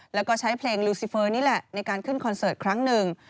แล้วก็ใช้เพลงลูซิเฟอร์นี่แหละในการขึ้นคอนเสิร์ตครั้งหนึ่ง